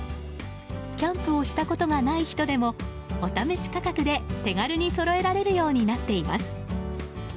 キャンプをしたことがない人でもお試し価格で手軽にそろえられるようになっています。